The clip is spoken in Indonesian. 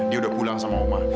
dia udah pulang sama omah